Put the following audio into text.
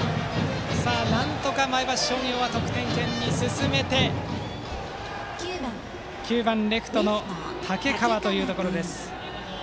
なんとか前橋商業は得点圏にランナーを進めてバッター９番レフトの竹川というところ。